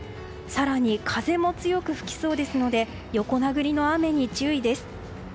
更に風も強く吹きそうですので横殴りの雨に注意です。